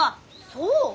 そう？